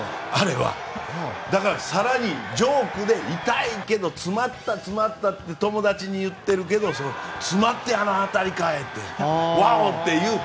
だから、更にジョークで痛いけど詰まった詰まったって友達に言ってるけど詰まってあの当たりかい！